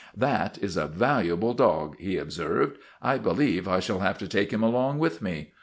" That is a valuable dog," he observed. " I be lieve I shall have to take him along with me.